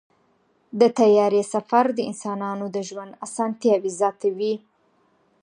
د طیارې سفر د انسانانو د ژوند اسانتیا زیاتوي.